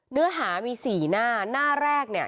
เนื้อหามีสี่หน้าหน้าแรกเนี่ย